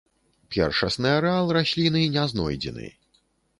Першасны арэал расліны не знойдзены.